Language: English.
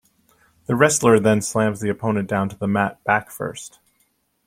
The wrestler then slams the opponent down to the mat back first.